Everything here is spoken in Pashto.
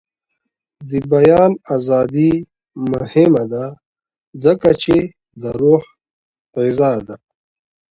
د بیان ازادي مهمه ده ځکه چې د روح غذا ده.